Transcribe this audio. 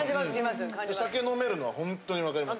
お酒飲めるのはほんとにわかります。